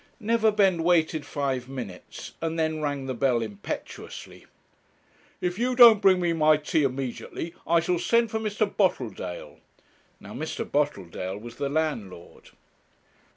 Neverbend waited five minutes, and then rang the bell impetuously. 'If you don't bring me my tea immediately, I shall send for Mr. Boteldale.' Now Mr. Boteldale was the landlord.